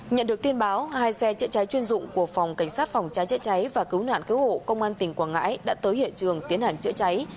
nhận được tin báo hai xe chữa cháy chuyên dụng của phòng cảnh sát phòng cháy chữa cháy và cứu nạn cứu hộ công an tỉnh quảng ngãi đã tới hiện trường tiến hành chữa cháy